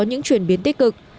những chuyển biến tích cực